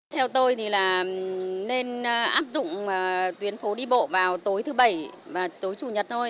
theo tôi thì là nên áp dụng tuyến phố đi bộ vào tối thứ bảy và tối chủ nhật thôi